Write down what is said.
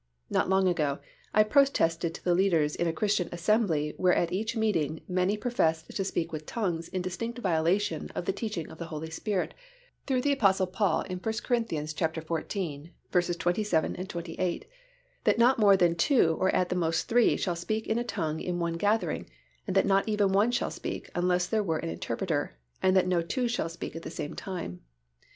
Not long ago, I protested to the leaders in a Christian assembly where at each meeting many professed to speak with tongues in distinct violation of the teaching of the Holy Spirit through the Apostle Paul in 1 Cor. xiv. 27, 28 (that not more than two or at the most, three, shall speak in a tongue in one gathering and that not even one shall speak unless there was an interpreter, and that no two shall speak at the same time).